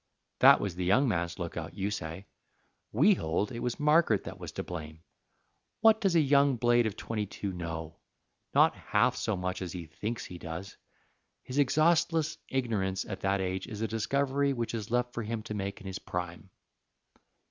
That was the young man's lookout, you say. We hold it was Margaret that was to blame. What does a young blade of twenty two know? Not half so much as he thinks he does. His exhaustless ignorance at that age is a discovery which is left for him to make in his prime.